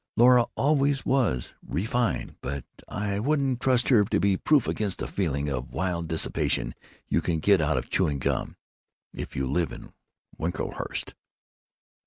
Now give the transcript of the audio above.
Laura always was ree fined, but I wouldn't trust her to be proof against the feeling of wild dissipation you can get out of chewing gum, if you live in Winklehurst."